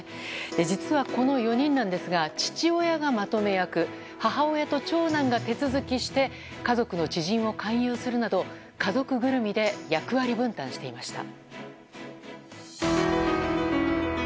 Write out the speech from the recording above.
実は、この４人なんですが父親がまとめ役、母親と長男が手続きして家族の知人を勧誘するなど家族ぐるみで役割分担していました。